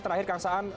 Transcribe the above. terakhir kang saan